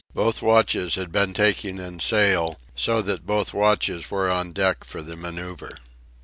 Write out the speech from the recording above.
Both watches had been taking in sail, so that both watches were on deck for the manoeuvre.